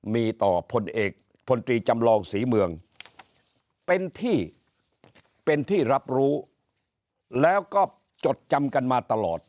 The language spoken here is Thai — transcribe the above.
มีต่อพลศรีจำลองศรีเมืองเป็นที่หรับรู้แล้วก็จดจำกันมาตลอด